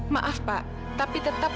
maaf pak tapi tetap